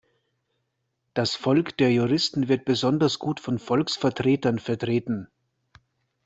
Das Volk der Juristen wird besonders gut von Volksvertretern vertreten.